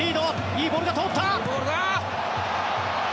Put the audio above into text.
いいボールが通った。